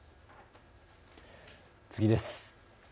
次です。